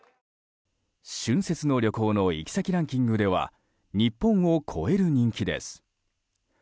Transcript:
春節の旅行の行き先ランキングでは日本を超える人気です。